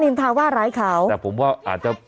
นทาว่าร้ายเขาแต่ผมว่าอาจจะ